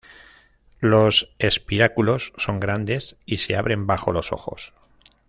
Los espiráculos son grandes y se abren bajo los ojos.